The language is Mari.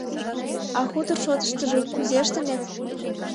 — А хутор шотыштыжо кузе ыштынет?